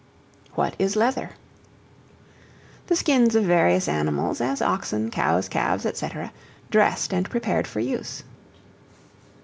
What is Leather? The skins of various animals, as oxen, cows, calves, &c., dressed and prepared for use.